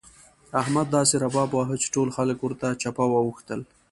احمد داسې رباب وواهه چې ټول خلګ ورته چپه واوښتل.